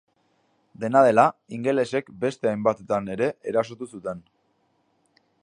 Dena dela ingelesek beste hainbatetan ere erasotu zuten.